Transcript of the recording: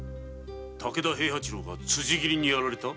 武田平八郎が辻斬りに殺られた？